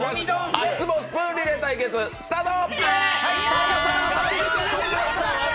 足つぼスプーンリレー対決スタート！